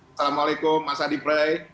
assalamualaikum mas adi pret